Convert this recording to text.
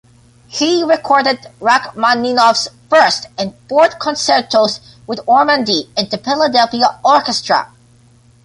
He recorded Rachmaninoff's First and Fourth Concertos with Ormandy and the Philadelphia Orchestra.